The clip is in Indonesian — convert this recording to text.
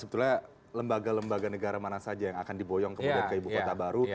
sebetulnya lembaga lembaga negara mana saja yang akan diboyong kemudian ke ibu kota baru